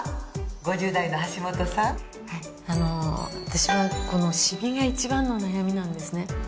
あの私はこのシミが一番の悩みなんですね。